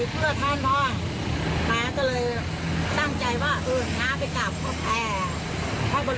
ก็เลยตั้งใจว่าน้าไปกลับก็แพ้